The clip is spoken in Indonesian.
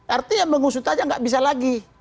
artinya mengusut aja nggak bisa lagi